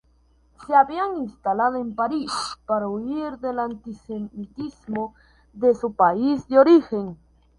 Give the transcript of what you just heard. Se habían instalado en París para huir del antisemitismo de su país de origen.